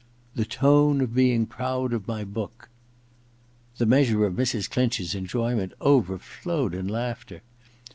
*The tone of being proud of my book.' The measure of Mrs. Clinch's enjoyment overflowed in laughter.